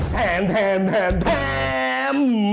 แถม